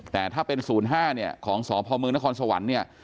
แต่ถ้าเป็น๐๕เนี่ยของสพมนครสวรรค์เนี่ย